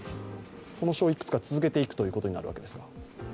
このショーをいくつか続けていくということになるんですか？